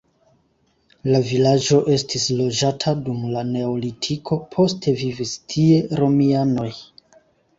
La vilaĝo estis loĝata dum la neolitiko, poste vivis tie romianoj.